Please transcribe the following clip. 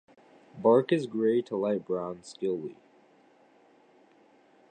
Bark is gray to light brown, scaly.